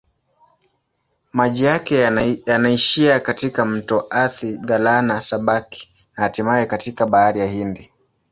Maji yake yanaishia katika mto Athi-Galana-Sabaki na hatimaye katika Bahari ya Hindi.